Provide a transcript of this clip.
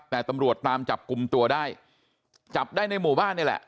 แต่ตำรวจตามจับกลุ่มตัวได้จับได้ในหมู่บ้านนี่แหละ